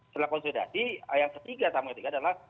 setelah konsolidasi yang ketiga sama yang ketiga adalah